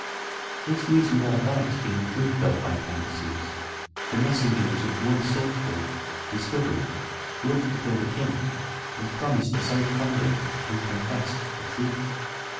This reasonable advice being approved of by Cambyses, the messenger was at once sought for, discovered, brought before the king, and promised a safe conduct if he confessed the truth.